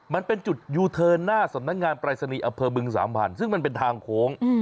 มันเป็นจุดยูเทิร์นหน้าสำนักงานปรายศนีย์อำเภอบึงสามพันธุ์ซึ่งมันเป็นทางโค้ง